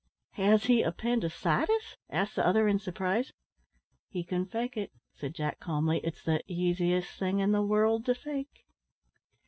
"Has he appendicitis?" asked the other in surprise. "He can fake it," said Jack calmly. "It's the easiest thing in the world to fake."